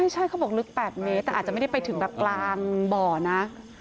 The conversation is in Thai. ใช่เขาบอกลึก๘เมตรแต่อาจจะไม่ได้ไปถึงแบบกลางบ่อนะ